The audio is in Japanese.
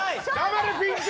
黙れピンク！